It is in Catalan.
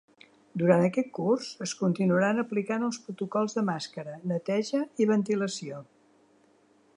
Durant aquest curs, es continuaran aplicant els protocols de màscara, neteja i ventilació.